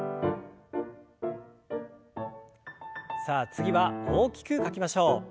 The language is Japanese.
さあ次は大きく書きましょう。